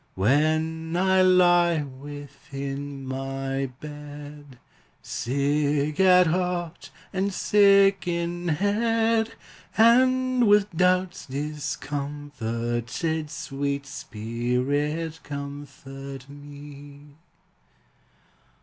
When I lie within my bed, Sick at heart, and sick in head, And with doubts discomforted, Sweet Spirit, comfort me!